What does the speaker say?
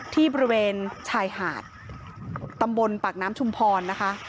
ที่บริเวณชายหาดตำบลปากน้ำชุมพรนะคะ